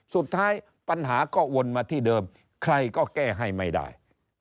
สุดท้ายปัญหาก็วนมาที่เดิมใครก็แก้ให้ไม่ได้